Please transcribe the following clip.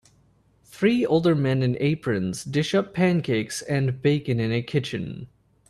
Three older men in aprons dish up pancakes and bacon in a kitchen.